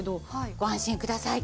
ご安心ください。